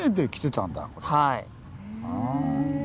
はい。